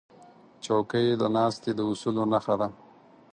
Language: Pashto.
چوکۍ د ناستې د اصولو نښه ده.